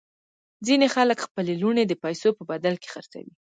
ځینې خلک خپلې لوڼې د پیسو په بدل کې خرڅوي.